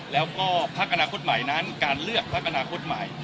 แล้วก็พักอนาคตใหม่นั้นการเลือกพักอนาคตใหม่